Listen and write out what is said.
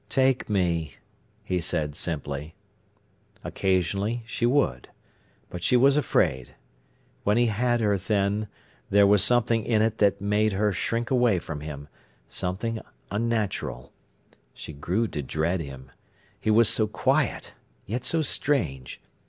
"Take me!" he said simply. Occasionally she would. But she was afraid. When he had her then, there was something in it that made her shrink away from him—something unnatural. She grew to dread him. He was so quiet, yet so strange.